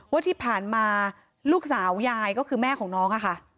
ว่าที่ผ่านมาลูกสาวยายก็คือแม่ของน้องอะค่ะ